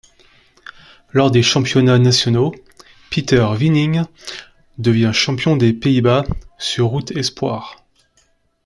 Lors des championnats nationaux, Pieter Weening devient champion des Pays-Bas sur route espoirs.